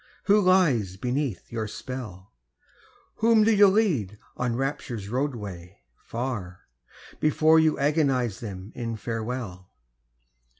Who lies beneath your spell? Whom do you lead on Rapture's roadway, far, Before you agonise them in farewell?